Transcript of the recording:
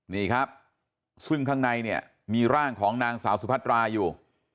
นี่ครับซึ่งข้างในเนี่ยมีร่างของนางสาวสุพัตราอยู่